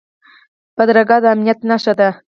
بدرګه د امنیت نښه ده